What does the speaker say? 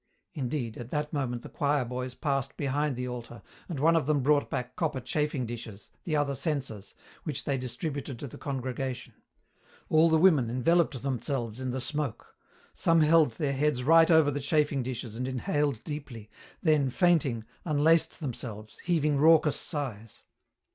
Indeed, at that moment the choir boys passed behind the altar and one of them brought back copper chafing dishes, the other, censers, which they distributed to the congregation. All the women enveloped themselves in the smoke. Some held their heads right over the chafing dishes and inhaled deeply, then, fainting, unlaced themselves, heaving raucous sighs.